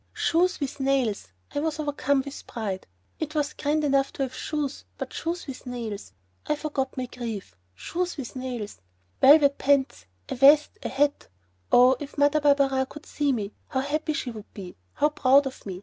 Shoes with nails! I was overcome with pride. It was grand enough to have shoes, but shoes with nails! I forgot my grief. Shoes with nails! Velvet pants! a vest! a hat! Oh, if Mother Barberin could see me, how happy she would be, how proud of me!